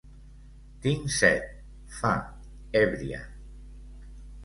Tinc set, fa, èbria.